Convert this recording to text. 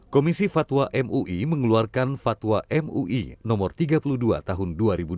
komisi fatwa mui mengeluarkan fatwa mui no tiga puluh dua tahun dua ribu dua puluh